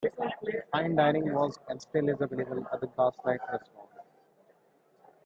Fine dining was and still is available at the Gaslight Restaurant.